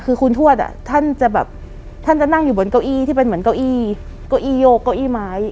คุณทวดท่านจะนั่งอยู่บนเก้าอี้เก้าอี้โยกเก้าอี้ไม้